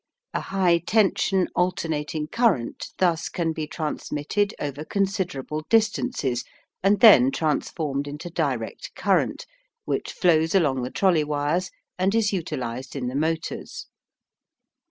A high tension alternating current thus can be transmitted over considerable distances and then transformed into direct current which flows along the trolley wires and is utilized in the motors.